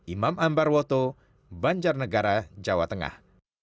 imam ambarwoto banjarnegara jawa tengah